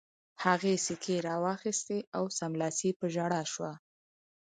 هغې سیکې را واخیستې او سملاسي په ژړا شوه